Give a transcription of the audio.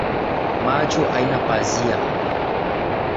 Macho haina pazia